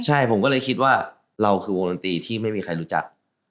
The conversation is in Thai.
ใช่ผมก็เลยคิดว่าเราคือวงดนตรีที่ไม่มีใครรู้จัก